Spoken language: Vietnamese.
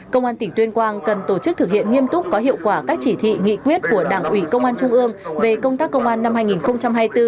công an tỉnh tuyên quang cần tổ chức thực hiện nghiêm túc có hiệu quả các chỉ thị nghị quyết của đảng ủy công an trung ương về công tác công an năm hai nghìn hai mươi bốn